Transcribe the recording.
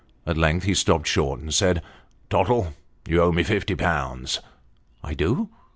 At length he stopped short, and said " Tottle, you owe me fifty pounds." I do."